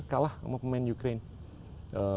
kalah sama pemain ukraine